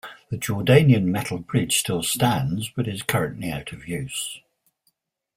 The Jordanian metal bridge still stands but is currently out of use.